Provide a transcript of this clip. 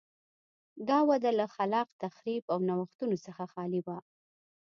دا وده له خلاق تخریب او نوښتونو څخه خالي وه.